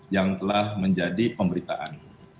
yang telah menjadi pemberitaan